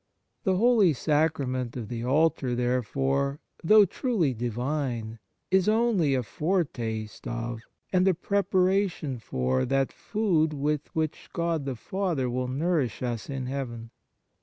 The Holy Sacrament of the Altar, therefore, though truly Divine, is only a foretaste of, and a preparation for, that food with which God the Father will nourish us in heaven.